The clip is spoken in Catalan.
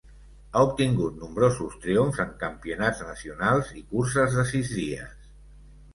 Ha obtingut nombrosos triomfs en campionats nacionals i curses de sis dies.